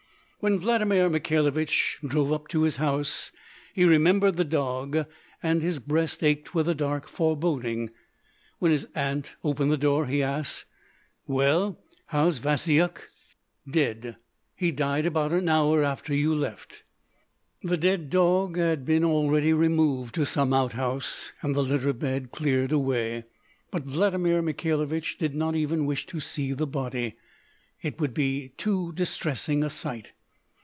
When Vladimir Mikhailovich drove up to his house, he remembered the dog, and his breast ached with a dark foreboding. When his Aunt opened the door, he asked: "Well, how's Vasyuk?" "Dead. He died about an hour after you left." The dead dog had been already removed to some outhouse, and the litter bed cleared away. But Vladimir Mikhailovich did not even wish to see the body; it would be too distressing a sight.